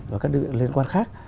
và các địa liệu liên quan khác